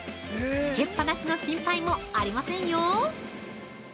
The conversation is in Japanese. つけっぱなしの心配もありませんよ。